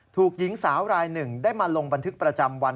หญิงสาวรายหนึ่งได้มาลงบันทึกประจำวัน